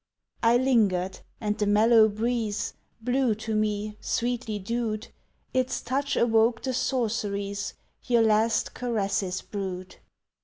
I lingered and the mellow breeze Blew to me sweetly dewed Its touch awoke the sorceries Your last caresses brewed.